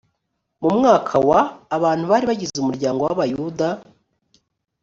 mu mwaka wa abantu bari bagize umuryango w, abayuda